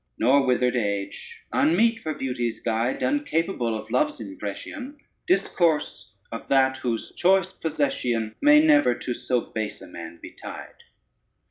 Nor withered age, unmeet for beauty's guide, Uncapable of love's impression, Discourse of that whose choice possession May never to so base a man be tied.